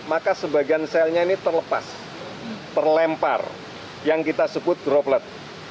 maka sebagian selnya ini terlepas terlempar yang kita sebut droplet